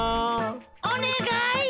おねがい！